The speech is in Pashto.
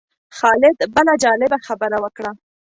خالد بله جالبه خبره وکړه.